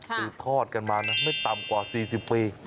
ค่ะธอดกันมาไม่ต่ำกว่าสี่สิบปี